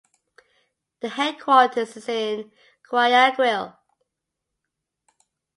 The headquarters is in Guayaquil.